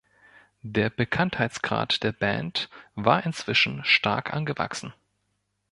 Der Bekanntheitsgrad der Band war inzwischen stark angewachsen.